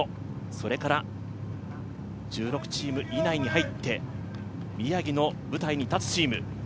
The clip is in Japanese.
それから、１６チーム以内に入って宮城野舞台に立つチーム。